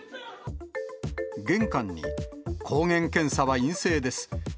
玄関に抗原検査は陰性です。